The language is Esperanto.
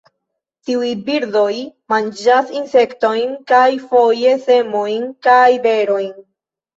Tiuj birdoj manĝas insektojn kaj foje semojn kaj berojn.